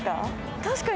確かに！